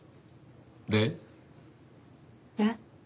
で？えっ？